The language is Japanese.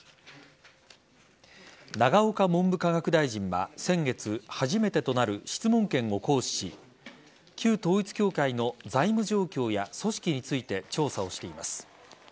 永岡文部科学大臣は先月初めてとなる質問権を行使し旧統一教会の財務状況や組織について調査をしています。